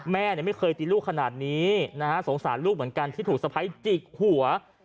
แม่ไม่เคยตีลูกขนาดนี้นะฮะสงสารลูกเหมือนกันที่ถูกสะพ้ายจิกหัว